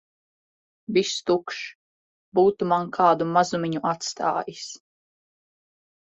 Viss tukšs. Būtu man kādu mazumiņu atstājis!